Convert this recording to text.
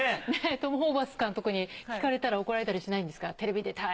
トム・ホーバス監督に聞かれたら怒られたりしないんですか？